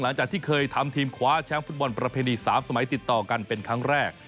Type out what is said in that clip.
หลังจากที่เคยทำทีมคว้าแชมป์ฟุตบอลประเพณี๓สมัยติดต่อกันเป็นครั้งแรก